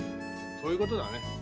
そういうことだね。